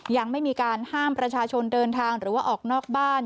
ยังไม่มีการห้ามประชาชนเดินทางหรือว่าออกนอกบ้าน